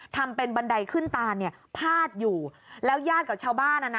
ทำเป็นบันไดขึ้นตาเนี่ยพาดอยู่แล้วญาติกับชาวบ้านอ่ะนะ